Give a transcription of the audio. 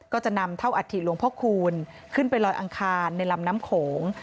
ก็จะนำเท่าอัฐิหลวงพ่อคูณขึ้นไปลอยอังคารในลำน้ำโขง